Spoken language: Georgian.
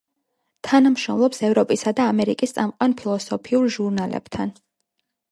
თანამშრომლობს ევროპისა და ამერიკის წამყვან ფილოსოფიურ ჟურნალებთან.